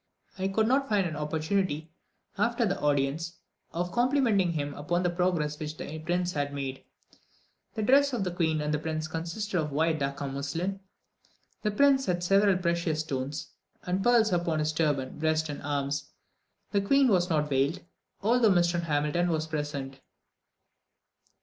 I could not find an opportunity, after the audience, of complimenting him upon the progress which the prince had made. The dress of the queen and of the prince consisted of white Dacca muslin; the prince had several precious stones and pearls upon his turban, breast, and arms. The queen was not veiled, although Mr. Hamilton was present.